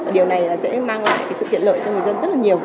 điều này sẽ mang lại sự tiện lợi cho người dân rất là nhiều